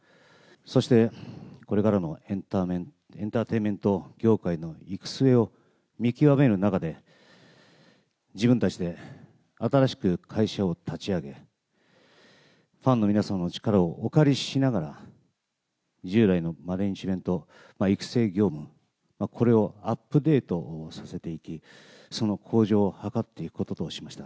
そして、これからのエンターテインメント業界の行く末を見極める中で、自分たちで新しく会社を立ち上げ、ファンの皆様の力をお借りしながら、従来のマネジメント、育成業務、これをアップデートさせていき、その向上を図っていくこととしました。